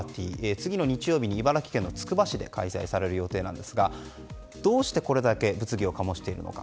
次の日曜日に茨城県のつくば市で開催される予定なんですがどうしてこれだけ物議を醸しているか。